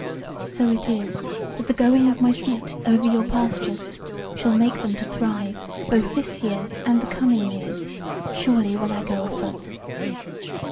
So it is, that the going of my feet over your pastures shall make them to thrive, both this year and the coming years: surely will I go afoot."